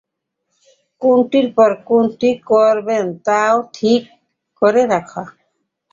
কোনটির পর কোনটি করবেন তা-ও ঠিক করে রাখা।